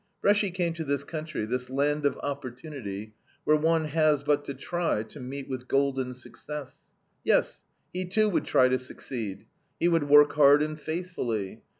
Bresci came to this country, this land of opportunity, where one has but to try to meet with golden success. Yes, he too would try to succeed. He would work hard and faithfully.